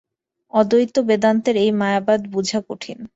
অদ্বৈত বেদান্তের এই মায়াবাদ বুঝা কঠিন।